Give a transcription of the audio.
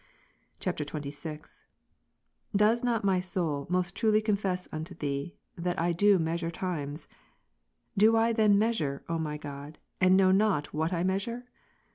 [XXVI.] 33. Does not my soul most truly confess unto Thee, that I do measure times ? Do I then measure, O my God, and know not what I measure